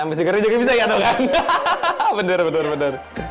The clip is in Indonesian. nasi goreng juga bisa ya tau kan hahaha bener bener